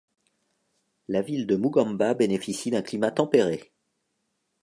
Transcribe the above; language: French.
La ville de Mugamba bénéficie d'un climat tempéré.